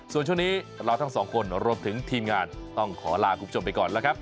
ส่วนช่วงนี้เราทั้งสองคนรวมถึงทีมงานต้องขอลาคุณผู้ชมไปก่อนแล้วครับ